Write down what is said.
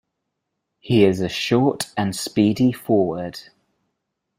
He is a short and speedy forward.